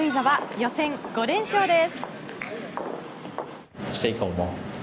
予選５連勝です。